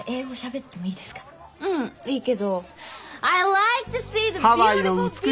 うんいいけど。